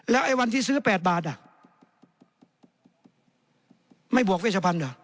ไอ้วันที่ซื้อ๘บาทไม่บวกเวชพันธ์เหรอ